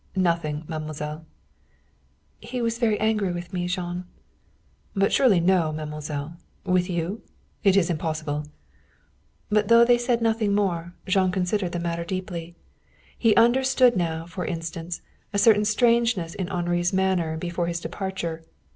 "Nothing, mademoiselle." "He is very angry with me, Jean." "But surely no, mademoiselle. With you? It is impossible." But though they said nothing more, Jean considered the matter deeply. He understood now, for instance, a certain strangeness in Henri's manner before his departure.